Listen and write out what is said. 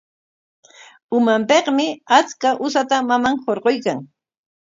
Umanpikmi achka usata maman hurquykan.